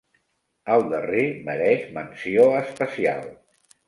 El darrer mereix menció especial.